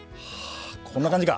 こんな感じか。